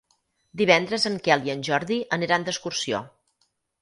Divendres en Quel i en Jordi aniran d'excursió.